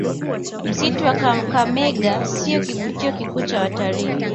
Msitu wa Kakamega siyo kivutio kikuu cha watalii